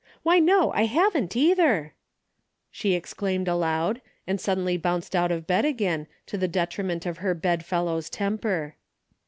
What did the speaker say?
Why, no I haven't, either !" she ex claimed aloud, and suddenly bounced out of bed again, to the detriment of her bed fellow's temper.